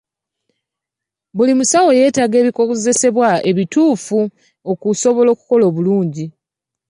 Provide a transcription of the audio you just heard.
Buli musawo yeetaaga ebikozesebwa ebituufu okusobola okukola obulungi.